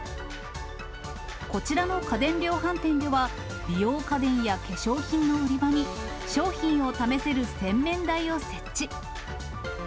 こちらの家電量販店では、美容家電や化粧品の売り場に、商品を試せる洗面台を設置。